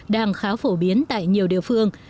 đang khá phổ biến tại nhiều địa phương